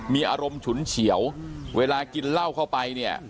มีอารมณ์ฉุนเฉียวเวลากินเหล้าเข้าไปเนี่ย